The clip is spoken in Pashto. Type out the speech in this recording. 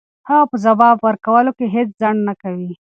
هغه په ځواب ورکولو کې هیڅ ځنډ نه کوي.